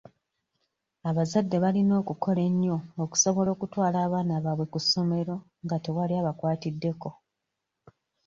Abazadde balina okukola ennyo okusobola okutwala abaana baabwe ku ssomero nga tewali abakwatiddeko.